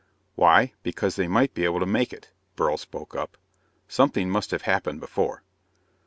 "Why, because they might be able to make it," Beryl spoke up. "Something must have happened before."